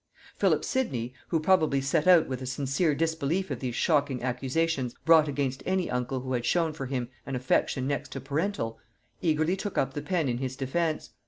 Philip Sidney, who probably set out with a sincere disbelief of these shocking accusations brought against any uncle who had shown for him an affection next to parental, eagerly took up the pen in his defence.